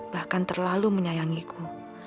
bahkan terlalu menyayangiku